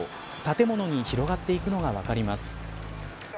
建物に広がっていくのが分かります。